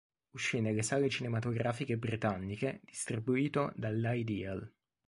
Uscì nelle sale cinematografiche britanniche distribuito dall'Ideal.